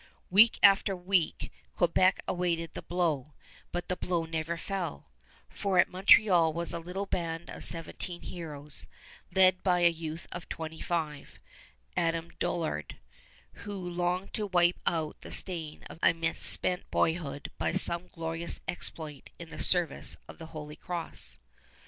Week after week Quebec awaited the blow; but the blow never fell, for at Montreal was a little band of seventeen heroes, led by a youth of twenty five, Adam Dollard, who longed to wipe out the stain of a misspent boyhood by some glorious exploit in the service of the Holy Cross.